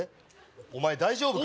お前大丈夫か？